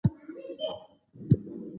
امير کروړ د پښتو ړومبی شاعر ګڼلی کيږي